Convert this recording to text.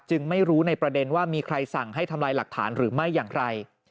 ไม่รู้ในประเด็นว่ามีใครสั่งให้ทำลายหลักฐานหรือไม่อย่างไร